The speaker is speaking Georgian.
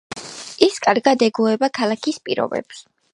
ის კარგად ეგუება ქალაქის პირობებს.